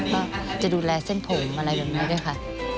ก็จะดูแลเส้นผมอะไรแบบนี้ด้วยค่ะ